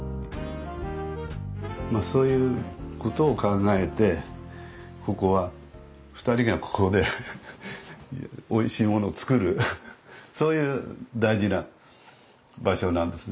まあそういうことを考えてここは２人がここでおいしいものを作るそういう大事な場所なんですね。